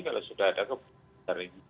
kalau sudah ada komite